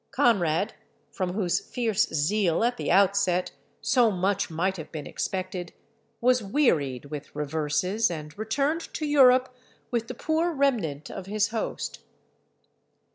Conrad, from whose fierce zeal at the outset so much might have been expected, was wearied with reverses, and returned to Europe with the poor remnant of his host.